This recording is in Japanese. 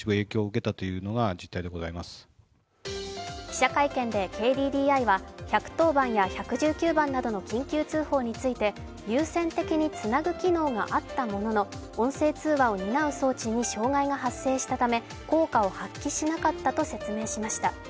記者会見でＫＤＤＩは１１０番や１１９番などの緊急通報について、優先的につなぐ機能があったものの音声通話を担う装置に障害が発生したため効果を発揮しなかったと説明しました。